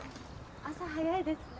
朝早いですね。